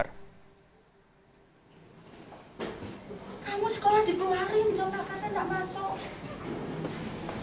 kamu sekolah di kemarin contohnya tidak masuk